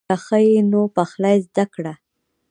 که ښه یې نو پخلی زده کړه.